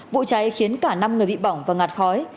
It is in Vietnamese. vụ cháy khiến cả năm người bị bỏng và ngạt khói